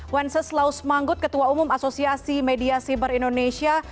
wenceslaus manggut ketua umum asosiasi media sibar indonesia